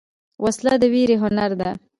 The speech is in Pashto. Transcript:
وسله د ویرې هنر ده